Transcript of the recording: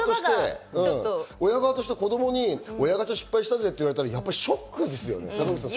親側として子供に、親ガチャ失敗したぜって言われたら、やっぱりショックですよ。